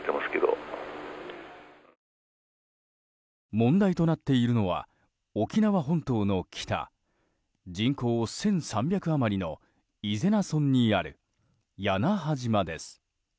問題となっているのは沖縄本島の北人口１３００余りの伊是名村にある屋那覇島です。